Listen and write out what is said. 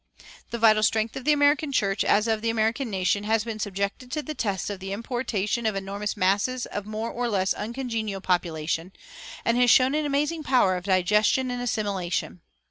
The vital strength of the American church, as of the American nation, has been subjected to the test of the importation of enormous masses of more or less uncongenial population, and has shown an amazing power of digestion and assimilation.